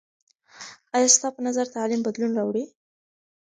آیا ستا په نظر تعلیم بدلون راوړي؟